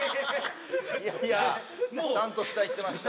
いやいやちゃんと下いってました。